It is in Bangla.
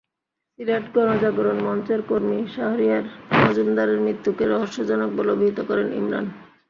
সিলেট গণজাগরণ মঞ্চের কর্মী শাহরিয়ার মজুমদারের মৃত্যুকে রহস্যজনক বলে অভিহিত করেন ইমরান।